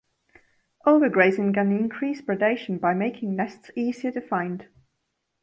Overgrazing can increase predation by making nests easier to find.